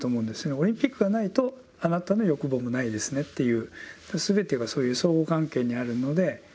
オリンピックがないとあなたの欲望もないですねっていうすべてがそういう相互関係にあるので。